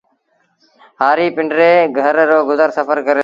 هآريٚ پندري گھر رو گزر سڦر ڪري دو